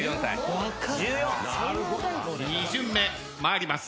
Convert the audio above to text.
２巡目参ります。